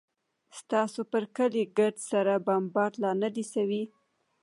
ستاسو پر کلي ګرد سره بمبارد لا نه دى سوى.